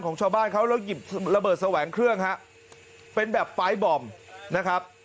ชาวบ้านเขาแล้วหยิบระเบิดแสวงเครื่องฮะเป็นแบบไฟล์บอมนะครับ